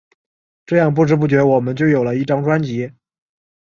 这样不知不觉我们就有了一张专辑。